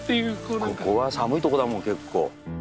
ここは寒いとこだもん結構。